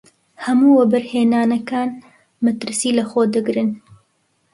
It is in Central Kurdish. هەموو وەبەرهێنانەکان مەترسی لەخۆ دەگرن.